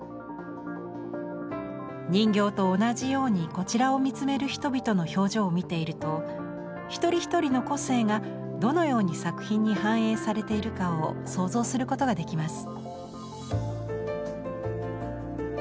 人形と同じようにこちらを見つめる人々の表情を見ていると一人一人の個性がどのように作品に反映されているかを想像することができます。